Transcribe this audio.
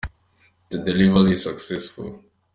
The delivery is successful.